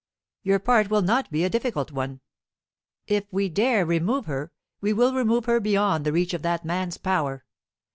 Your part will not be a difficult one. If we dare remove her, we will remove her beyond the reach of that man's power.